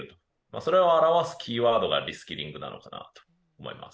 それを表すキーワードがリスキリングなのかなと思います。